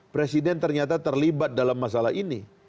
presiden ternyata terlibat dalam masalah ini